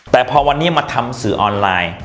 แต่พอวันนี้มาทำสื่อออนไลน์